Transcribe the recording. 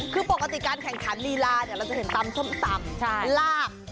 คือปกติการแข่งขันลีลาเราจะเห็นตำส้มตำลาบ